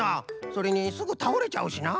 それにすぐたおれちゃうしな。